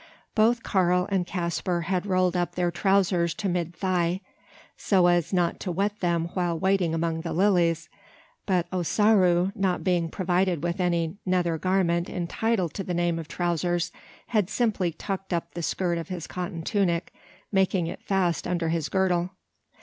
Both Karl and Caspar had rolled up their trowsers to mid thigh; so as not to wet them while wading among the lilies; but Ossaroo, not being provided with any nether garment entitled to the name of trowsers, had simply tucked up the skirt of his cotton tunic, making it fast under his girdle.